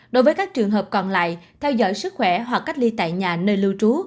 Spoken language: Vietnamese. đối với các trường hợp còn lại theo dõi sức khỏe hoặc cách ly tại nhà nơi lưu trú